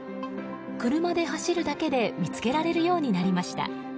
車で走るだけで見つけられるようになりました。